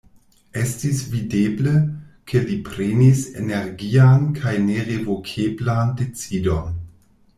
Estis videble, ke li prenis energian kaj nerevokeblan decidon.